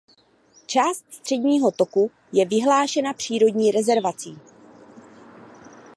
Část středního toku je vyhlášena přírodní rezervací.